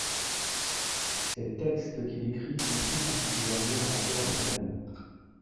Ses textes qu'il écrit sont plus particulièrement en rapport avec l'amour.